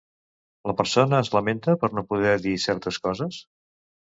La persona es lamenta per no poder dir certes coses?